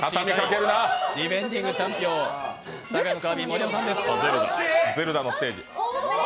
ディフェンディングチャンピオン、堺のカービィ盛山さんです。